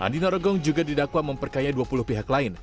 andi narogong juga didakwa memperkaya dua puluh pihak lain